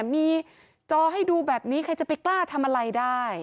มีจอให้ดูแบบนี้ใครจะไปกล้าทำอะไรได้